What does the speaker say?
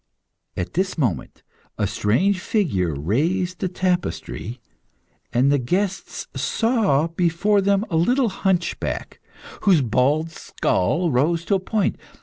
At this moment a strange figure raised the tapestry, and the guests saw before them a little hunchback, whose bald skull rose in a point.